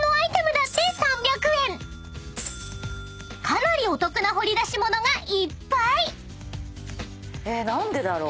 ［かなりお得な掘り出し物がいっぱい！］